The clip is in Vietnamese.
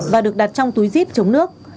và được đặt trong túi zip chống nước